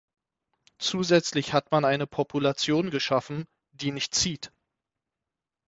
Zusätzlich hat man eine Population geschaffen, die nicht zieht.